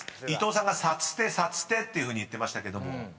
伊藤さんが「さちてさちて」っていうふうに言ってましたけども。